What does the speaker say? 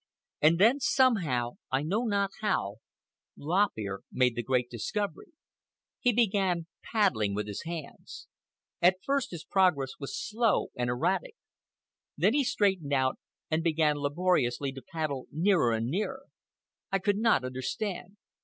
And then, somehow, I know not how, Lop Ear made the great discovery. He began paddling with his hands. At first his progress was slow and erratic. Then he straightened out and began laboriously to paddle nearer and nearer. I could not understand.